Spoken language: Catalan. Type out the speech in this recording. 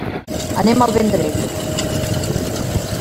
Anem al Vendrell.